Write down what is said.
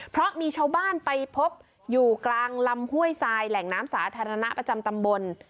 เพราะมีชาวบ้านไปพบอยู่กลางลำห้วยทรายแหล่งน้ำสาธารณะประจำตำบล